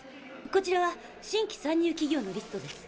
こちらは新規参入企業のリストです。